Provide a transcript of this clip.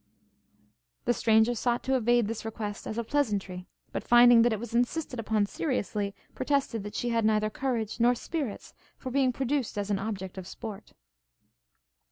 The stranger sought to evade this request as a pleasantry; but finding that it was insisted upon seriously, protested that she had neither courage nor spirits for being produced as an object of sport.